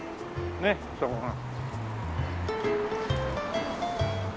ねっそこが。